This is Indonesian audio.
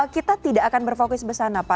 kita tidak akan berfokus besan apa